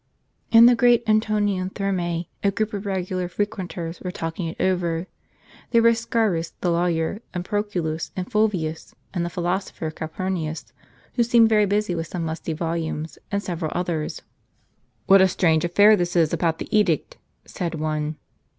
In the great Anto nian Thermag a group of regular frequenters were talking it over. There were Scaurus the lawyer, and Proculus, and Fulvius, and the philosopher Calpurnius, who seemed very busy with some musty volumes, and several others. " What a strange affair this is, about the edict !" said one.